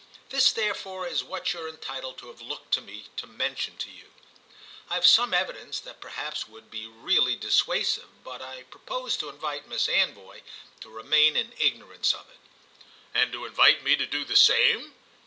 This therefore is what you're entitled to have looked to me to mention to you. I've some evidence that perhaps would be really dissuasive, but I propose to invite Mss Anvoy to remain in ignorance of it." "And to invite me to do the same?"